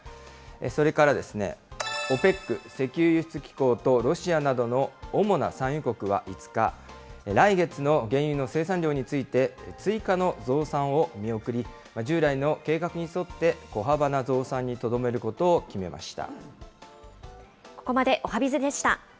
それからＯＰＥＣ・石油輸出国機構とロシアなどの主な産油国は５日、来月の原油の生産量について、追加の増産を見送り、従来の計画に沿って、小幅な増産にとどめることを決めました。